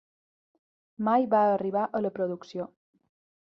Mai va arribar a la producció.